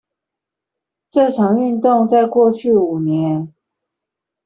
這場運動在過去五年